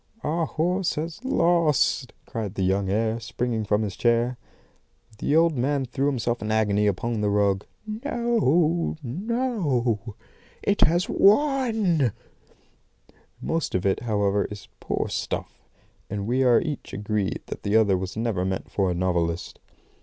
"'Our horse has lost!' cried the young heir, springing from his chair. "The old man threw himself in agony upon the rug. 'No, no!' he screamed. 'IT HAS WON!'" Most of it, however, is poor stuff, and we are each agreed that the other was never meant for a novelist.